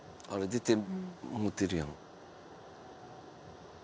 出てもうてるやん。